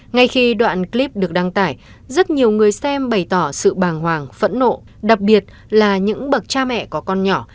ngay khi đoạn clip được đăng tải rất nhiều người xem bày tỏ sự bàng hoàng phẫn nộ đặc biệt là những bậc cha mẹ có con nhỏ